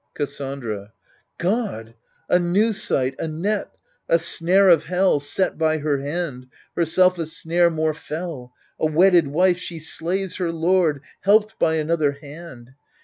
Cassandra God I a new sight ! a net, a snare of hell, Set by her hand — herself a snare more fell ! A wedded wife, she slays her lord. Helped by another hand